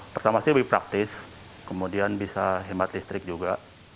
pertama sih lebih praktis kemudian bisa hemat listrik juga